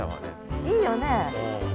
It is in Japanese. いいよね。